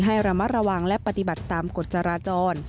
ให้ระมัดระวังและปฏิบัติตามกฎจราจร